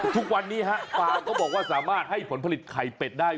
ทุกวันนี้ฮะฟาร์มก็บอกว่าสามารถให้ผลผลิตไข่เป็ดได้